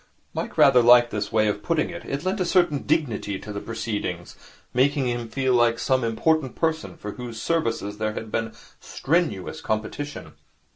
Mike rather liked this way of putting it. It lent a certain dignity to the proceedings, making him feel like some important person for whose services there had been strenuous competition.